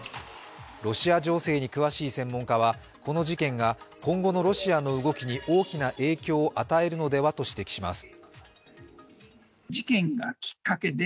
ロシア情勢に詳しい専門家はこの事件が今後のロシアの動きに大きな影響を与えるのではと指摘します。